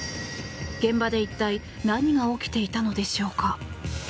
現場で一体、何が起きていたのでしょうか。